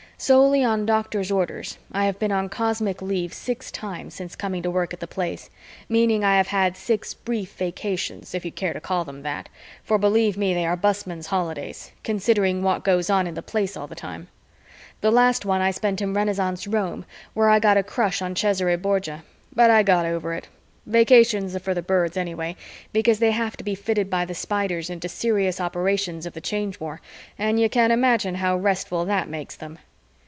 Solely on doctor's orders, I have been on cosmic leave six times since coming to work at the Place, meaning I have had six brief vacations, if you care to call them that, for believe me they are busman's holidays, considering what goes on in the Place all the time. The last one I spent in Renaissance Rome, where I got a crush on Cesare Borgia, but I got over it. Vacations are for the birds, anyway, because they have to be fitted by the Spiders into serious operations of the Change War, and you can imagine how restful that makes them.